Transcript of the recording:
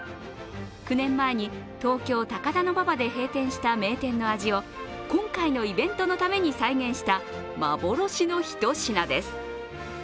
９年前に東京・高田馬場で閉店した名店の味を今回のイベントのために再現した、幻のひと品です。